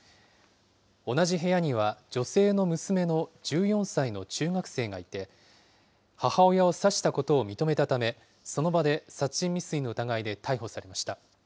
同じ部屋には女性の娘の１４歳の中学生がいて、母親を刺したことを認めたため、その場で殺人未遂の疑いで逮捕されました。